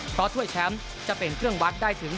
เพราะถ้วยแชมป์จะเป็นเครื่องวัดได้ถึง